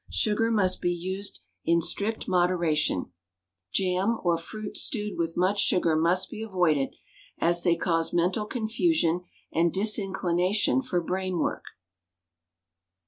Sugar must be used in strict moderation; jam, or fruits stewed with much sugar must be avoided, as they cause mental confusion and disinclination for brain work.